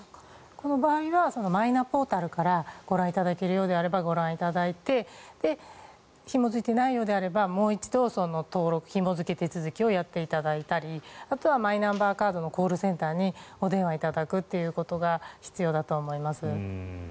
この場合はマイナポータルからご覧いただけるようであればご覧いただいてひも付いていないようであればもう一度ひも付け手続きをやっていただいたりあとはマイナンバーカードのコールセンターにお電話いただくということが必要だと思います。